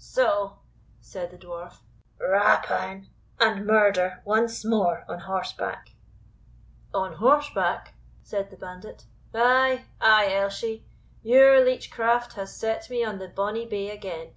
"So," said the Dwarf, "rapine and murder once more on horseback." "On horseback?" said the bandit; "ay, ay, Elshie, your leech craft has set me on the bonny bay again."